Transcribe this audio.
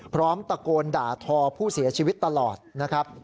พร้อมตะโกนด่าทอผู้เสียชีวิตตลอดนะครับ